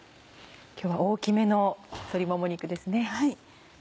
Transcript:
今日は大きめの鶏もも肉ですね。